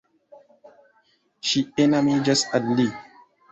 Ŝi enamiĝas al li.